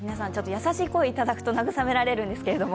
優しい声をいただくと慰められるんですけれど。